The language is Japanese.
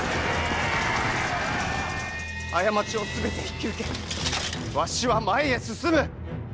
過ちを全て引き受けわしは前へ進む！